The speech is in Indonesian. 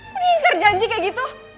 kok diingkar janji kayak gitu